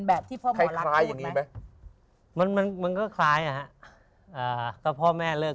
แบบที่พ่อมะลักไขว้อย่างนี้ไหมมันมันก็ภายค่ะพ่อแม่เลิก